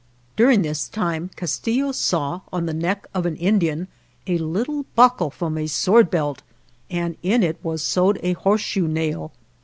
During this time Castillo saw, on the neck of an Indian, a little buckle from a sword belt, and in it was sewed a horseshoe nail.